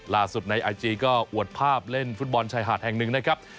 ในไอจีก็อวดภาพเล่นฟุตบอลชายหาดแห่งหนึ่งนะครับ